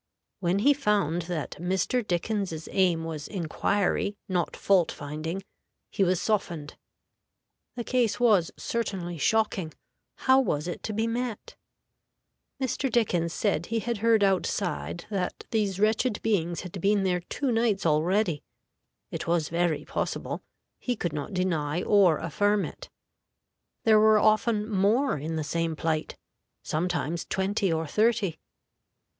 When he found that Mr. Dickens's aim was inquiry, not fault finding, he was softened. The case was certainly shocking: how was it to be met? Mr. Dickens said he had heard outside that these wretched beings had been there two nights already. It was very possible. He could not deny or affirm it. There were often more in the same plight sometimes twenty or thirty.